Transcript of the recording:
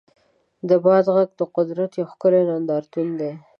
د باد غږ د قدرت یو ښکلی نندارتون دی.